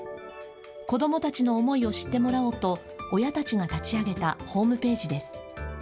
子どもたちの思いを知ってもらおうと、親たちが立ち上げたホームページです。